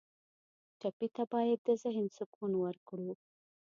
ټپي ته باید د ذهن سکون ورکړو.